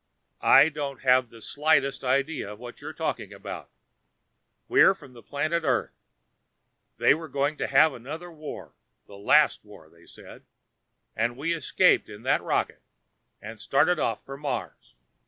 "I don't have the slightest idea what you're talking about. We're from the planet Earth. They were going to have another war, the 'Last War' they said, and we escaped in that rocket and started off for Mars.